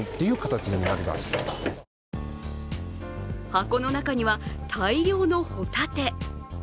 箱の中には大量のホタテ。